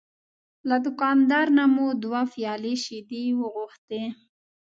له دوکاندار نه مو دوه پیالې شیدې وغوښتې.